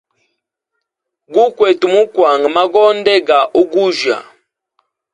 Gu kwete mu kwanga magonde ga ugujya.